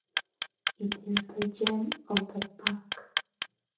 It is the gem of the park.